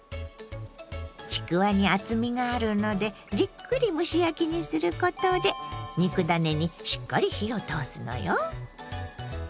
ちくわに厚みがあるのでじっくり蒸し焼きにすることで肉ダネにしっかり火を通すのよ。